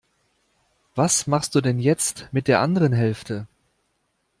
Was machst du denn jetzt mit der anderen Hälfte?